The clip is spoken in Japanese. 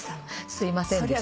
すいませんでした。